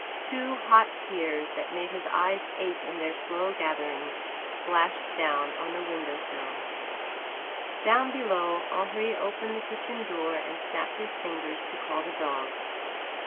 Two hot tears, that made his eyes ache in their slow gathering, splashed down on the window sill. Down below Henri opened the kitchen door and snapped his fingers to call the dog.